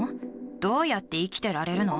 どうやって生きてられるの？